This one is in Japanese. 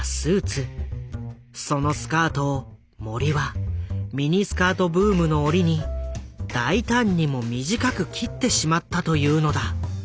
そのスカートを森はミニスカートブームの折に大胆にも短く切ってしまったというのだ。